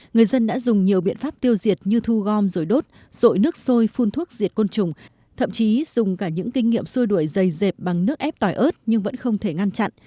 người dân đã dùng nhiều biện pháp tiêu diệt như thu gom rồi đốt rội nước sôi phun thuốc diệt côn trùng thậm chí dùng cả những kinh nghiệm xuôi đuổi dày dẹp bằng nước ép tỏi ớt nhưng vẫn không thể ngăn chặn